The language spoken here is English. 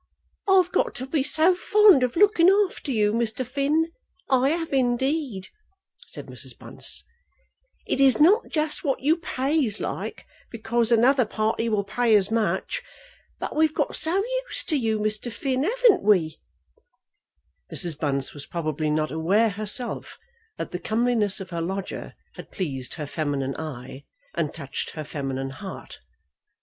"I've got to be so fond of looking after you, Mr. Finn! I have indeed," said Mrs. Bunce. "It is not just what you pays like, because another party will pay as much. But we've got so used to you, Mr. Finn, haven't we?" Mrs. Bunce was probably not aware herself that the comeliness of her lodger had pleased her feminine eye, and touched her feminine heart.